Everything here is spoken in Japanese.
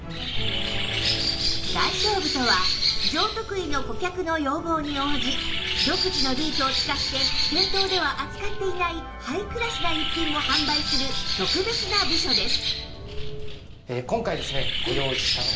外商部とは上得意の顧客の要望に応じ独自のルートを使って店頭では扱っていないハイクラスな逸品も販売する特別な部署です